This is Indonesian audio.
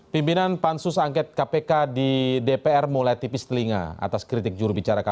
pertama dari cikal